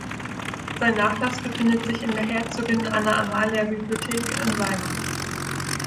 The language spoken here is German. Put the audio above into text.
Sein Nachlass befindet sich in der Herzogin Anna Amalia Bibliothek in Weimar.